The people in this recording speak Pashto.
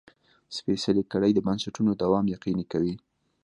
سپېڅلې کړۍ د بنسټونو دوام یقیني کوي.